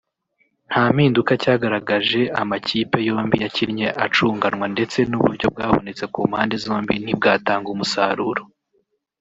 nta mpinduka cyagaragaje amakipe yombi yakinnye acunganwa ndetse n’uburyo bwabonetse ku mpande zombi ntibwatanga umusaruro